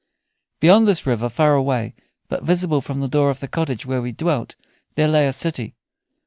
Beyond this river, far away, but visible from the door of the cottage where we dwelt, there lay a city.